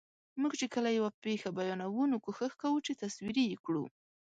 موږ چې کله یوه پېښه بیانوو، نو کوښښ کوو چې تصویري یې کړو.